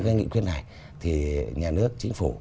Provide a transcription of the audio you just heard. cái nghị quyết này thì nhà nước chính phủ